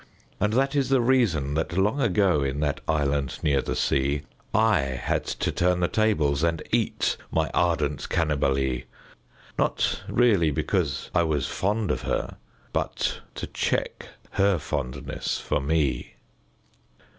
And that is the reason that long ago. In that island near the sea, I had to turn the tables and eat My ardent Cannibalee — Not really because I was fond of her, But to check her fondness for me.